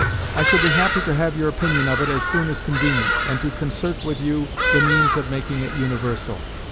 I shall be happy to have your opinion of it as soon as convenient, and to concert with you the means of making it universal....